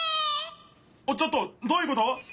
ちょっとどういうこと？